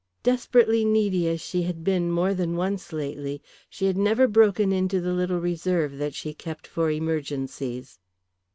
Desperately needy as she had been more than once lately, she had never broken into the little reserve that she kept for emergencies.